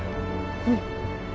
うん。